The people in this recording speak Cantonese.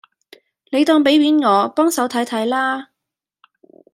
你當俾面我，幫手睇睇啦